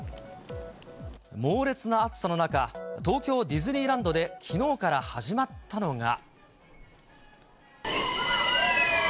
猛烈な暑さの中、東京ディズニーランドできのうから始まったのが。